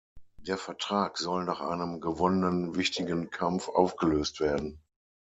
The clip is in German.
Der Vertrag soll nach einem gewonnenen wichtigen Kampf aufgelöst werden.